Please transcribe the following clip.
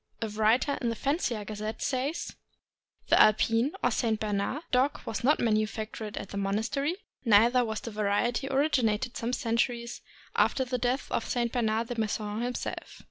A writer in the Fancier' s Gazette says: The Alpine (or St. Bernard) dog was not manufactured at the monastery, neither was the variety originated some centuries after the death of St. Bernard de Menthon himself.